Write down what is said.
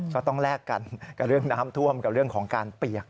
ก็ต้องแลกกันกับเรื่องน้ำท่วมกับเรื่องของการเปียก